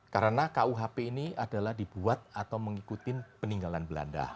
karena kuhp ini adalah dibuat atau mengikuti peninggalan belanda